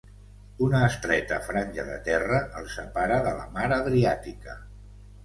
Una estreta franja de terra el separa de la mar Adriàtica.